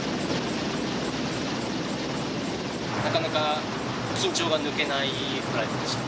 なかなか緊張が抜けないフライトでした。